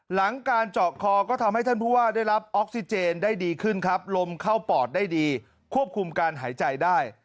หลังการเจาะคอก็ทำให้ท่านผู้ว่าได้รับออกซิเจนได้ดีขึ้นครับลมเข้าปอดได้ดีควบคุมการหายใจได้